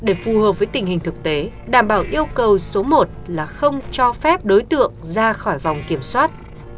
để phù hợp với tình hình thực tế đảm bảo yêu cầu số một là không cho phép đối tượng ra khỏi vòng kiểm soát